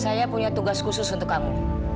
saya punya tugas khusus untuk kamu